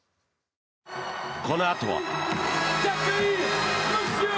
このあとは。